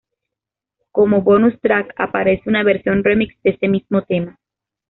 Como "bonus track" aparece una versión "remix" de ese mismo tema.